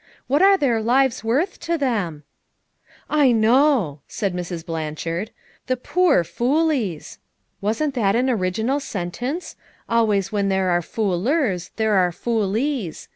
"What are their lives worth to them?" "I know," said Mrs. Blanchard. "The 'poor fool ies.' Wasn't that an original sen tence? 'Always when there are fool ers there are fool ies.'